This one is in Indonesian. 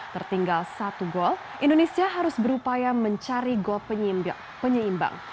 tertinggal satu gol indonesia harus berupaya mencari gol penyeimbang